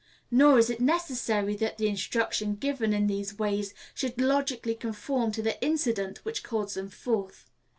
Nor is it necessary that the instruction given in these ways should logically conform to the incident which calls them forth.